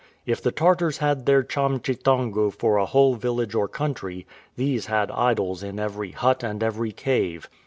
If the Tartars had their Cham Chi Thaungu for a whole village or country, these had idols in every hut and every cave.